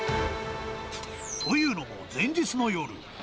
というのも、前日の夜。